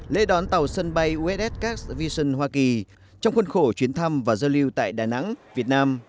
lê đón tàu sân bay uss cairns vision hoa kỳ trong khuôn khổ chuyến thăm và giao lưu tại đà nẵng việt nam